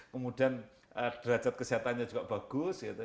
kemudian derajat kesehatannya juga bagus